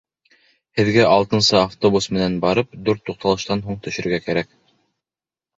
Һеҙгә алтынсы автобус менән барып, дүрт туҡталыштан һуң төшөргә кәрәк